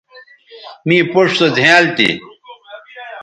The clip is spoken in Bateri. می پوڇ سو زھیائنل تھی